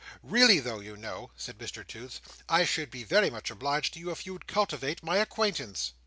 Really though, you know," said Mr Toots, "I should be very much obliged to you if you'd cultivate my acquaintance."